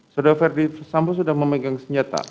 saudara ferdi sambo sudah memegang senjata